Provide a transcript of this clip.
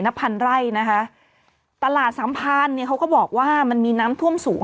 พันไร่นะคะตลาดสัมพันธ์เนี่ยเขาก็บอกว่ามันมีน้ำท่วมสูง